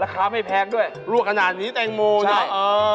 ราคาไม่แพ็กด้วยลวกขนาดนี้แตงโมใช่ป่าว